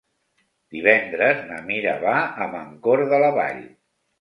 Divendres na Mira va a Mancor de la Vall.